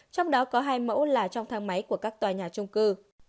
trong đó có hai mẫu là trong thang máy của các tòa nhà trung cư